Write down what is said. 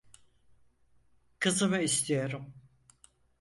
Kızımı istiyorum.